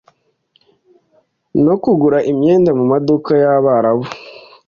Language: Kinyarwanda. no kugura imyenda mu maduka y'Abarabu.